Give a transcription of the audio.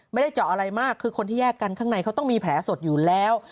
ไม่ได้เจาะอะไรมากคือคนที่แยกกันข้างในเขาต้องมีแผลสดอยู่แล้ว